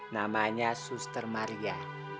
namanya suster maria